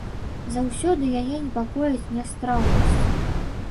Заўсёды яе непакоіць нястраўнасць.